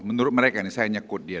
menurut mereka saya nyekut dia